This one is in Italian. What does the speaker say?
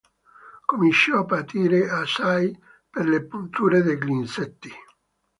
Cominciò a patire assai per le punture degli insetti.